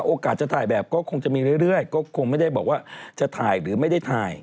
โอกาสจะถ่ายแบบก็คงจะมีเรื่อยก็คงไม่ได้บอกว่าจะถ่ายหรือไม่ได้ถ่าย